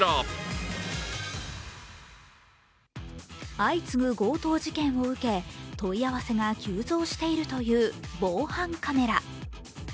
相次ぐ強盗事件を受け問い合わせが急増しているという防犯カメラ。